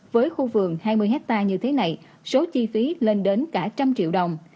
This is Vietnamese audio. với khu vườn hai mươi hecta như thế này số chi phí lên đến cả một trăm linh triệu đồng